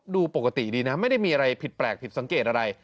ดูปกติดีนะไม่ได้มีอะไรผิดแปลกผิดสังเกตอะไร